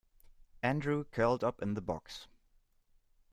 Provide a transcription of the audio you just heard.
Andrew curled up in the box.